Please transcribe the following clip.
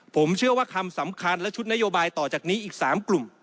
ผมเชื่อว่าคำสำคัญและชุดนโยบายต่อจากนี้อีก๓กลุ่ม